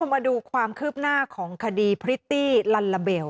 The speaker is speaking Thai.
มาดูความคืบหน้าของคดีพริตตี้ลัลลาเบล